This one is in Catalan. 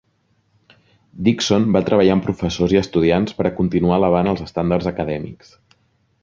Dixon va treballar amb professors i estudiants per a continuar elevant els estàndards acadèmics.